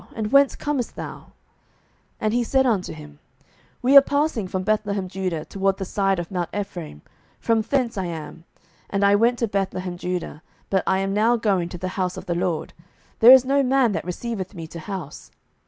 and whence comest thou? 07:019:018 And he said unto him, We are passing from Bethlehemjudah toward the side of mount Ephraim; from thence am I: and I went to Bethlehemjudah, but I am now going to the house of the LORD; and there is no man that receiveth me to house.